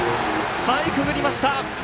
かいくぐりました！